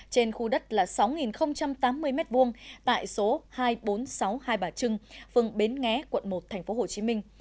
trên khu đất sáu tám mươi m hai tại số hai nghìn bốn trăm sáu mươi hai bà trưng phương bến nghé quận một tp hồ chí minh